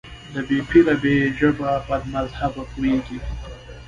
د بې پيره په ژبه بدمذهبه پوهېږي.